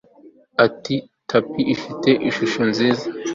Iyi tapi ifite ishusho nziza